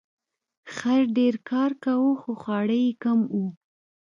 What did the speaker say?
خر ډیر کار کاوه خو خواړه یې کم وو.